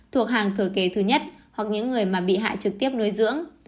thuộc hàng thừa kế thứ nhất hoặc những người mà bị hại trực tiếp nuôi dưỡng